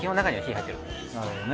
なるほどね。